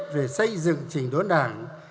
về xây dựng trình đốn đảng